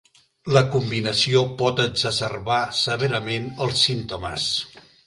La combinació pot exacerbar severament els símptomes.